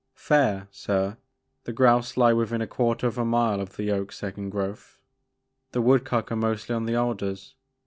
Fair sir ; the grouse lie within a quarter of a mile of the oak second growth. The woodcock are mostly on the alders.